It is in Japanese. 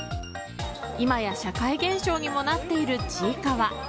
今や社会現象にもなっている「ちいかわ」。